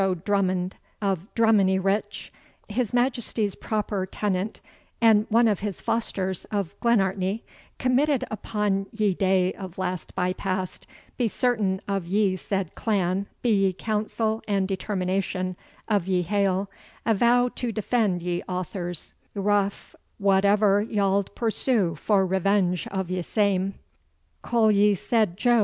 Drummond of Drummoneyryuch, his Majesties proper tennant and ane of his fosters of Glenartney, committed upon ye day of last bypast, be certain of ye said clan, be ye council and determination of ye haill, avow and to defend ye authors yrof qoever wald persew for revenge of ye same, qll ye said Jo.